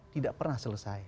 tidak pernah selesai